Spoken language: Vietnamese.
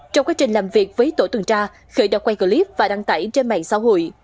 trong quá trình làm việc với tổ tuần tra khởi đã quay clip và đăng tải trên mạng xã hội